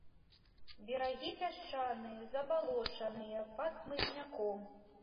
Берагі пясчаныя, забалочаныя, пад хмызняком.